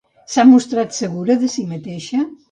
S'ha mostrat segura de si mateixa?